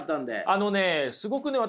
あのねすごくね私